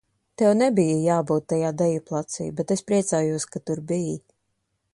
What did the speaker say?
Tev nebija jābūt tajā deju placī, bet es priecājos, ka tur biji.